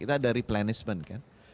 itu ada replenishment kan